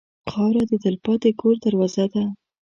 خاوره د تلپاتې کور دروازه ده.